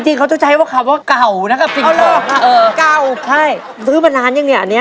จริงเขาจะใช้คำว่าเก่าพี่ป๋อง